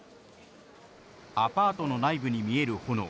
アパートの内部に見える炎。